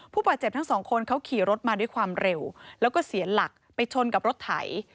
ผู้บาดเจ็บทั้งสองคนเขาขี่รถมาด้วยความเร็วแล้วก็เสียหลักไปชนกับรถไถ